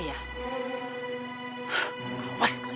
gak mau panggil